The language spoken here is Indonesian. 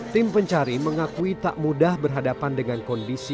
tim pencari mengakui tak mudah berhadapan dengan kondisi